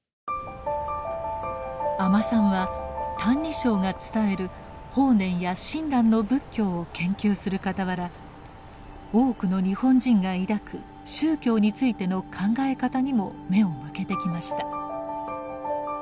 阿満さんは「歎異抄」が伝える法然や親鸞の仏教を研究するかたわら多くの日本人が抱く宗教についての考え方にも目を向けてきました。